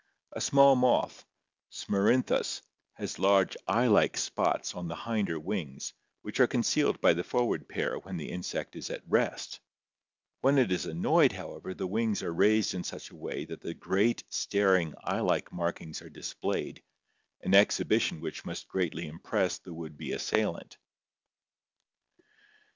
A small moth, Smerinihus, has large eye like spots on the hinder wings which are concealed by the forward pair when the insect is at rest; when it is annoyed, however, the wings are raised in such a way that the great, staring, eye like markings are displayed, an exhibition which must greatly impress the would be assailant.